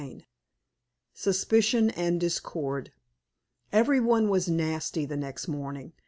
Chapter XV. SUSPICION AND DISCORD Every one was nasty the next morning.